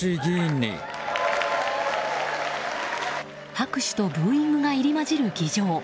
拍手とブーイングが入り混じる議場。